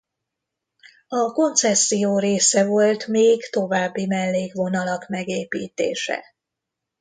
A koncesszió része volt még további mellékvonalak megépítése.